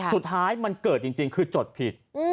สุดท้ายมันเกิดจริงคือจดผิด